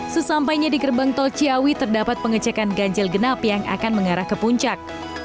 sesampainya di gerbang tol ciawi terdapat pengecekan ganjil genap yang akan mengarah ke puncak